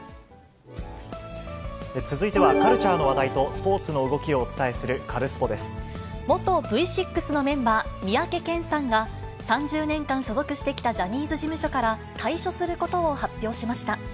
続いては、カルチャーの話題とスポーツの動きをお伝えする、カルスポっ！で元Ｖ６のメンバー、三宅健さんが３０年間所属してきたジャニーズ事務所から退所することを発表しました。